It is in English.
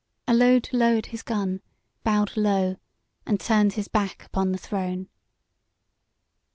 Allode lowered his gun, bowed low and turned his back upon the throne.